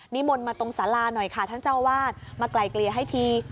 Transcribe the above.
มนต์มาตรงสาราหน่อยค่ะท่านเจ้าวาดมาไกลเกลี่ยให้ที